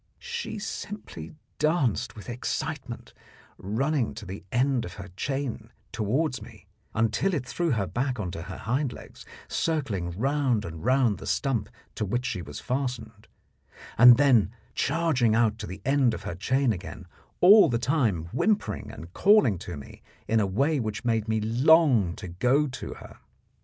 She simply danced with excitement, running to the end of her chain toward me until it threw her back on to her hind legs, circling round and round the stump to which she was fastened, and then charging out to the end of her chain again, all the time whimpering and calling to me in a way which made me long to go to her.